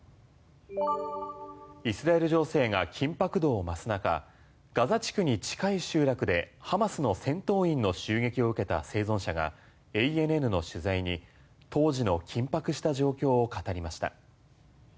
イスラエル情勢が緊迫度を増す中ガザ地区に近い集落でハマスの戦闘員の襲撃を受けた生存者が、ＡＮＮの取材に当時の緊迫した状況を語りました。